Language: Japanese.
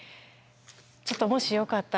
ちょっともしよかったら。